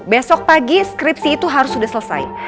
besok pagi skripsi itu harus sudah selesai